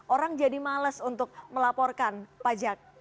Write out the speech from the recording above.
orang jadi males untuk melaporkan pajak